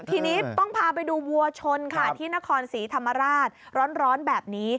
ทีนี้ต้องพาไปดูวัวชนค่ะที่นครศรีธรรมราชร้อนแบบนี้